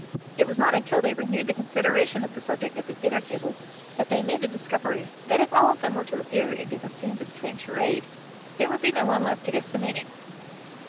It was not until they renewed the consideration of the subject at the dinner table that they made the discovery that if all of them were to appear in different scenes of the same charade, there would be no one left to guess the meaning.